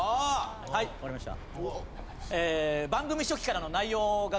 はいわかりました。